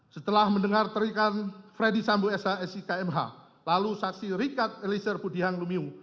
setelah mendengar terikan freddy sambo shsi kmh lalu saksi richard elisir budihang lumiu